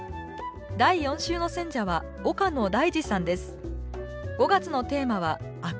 第４週の選者は岡野大嗣さんです